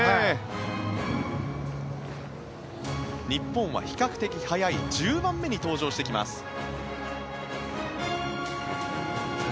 日本は比較的早い１０番目に登場してきます。